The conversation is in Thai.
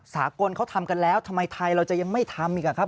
สากลเขาทำกันแล้วทำไมไทยเราจะยังไม่ทำอีกอะครับ